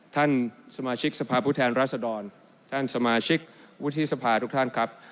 ท่านสมาชิกสภาพผู้แทนรัศดรท่านสมาชิกวุฒิสภาทุกท่านครับ